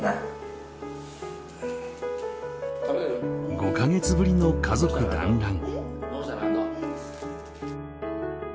５か月ぶりの家族団らん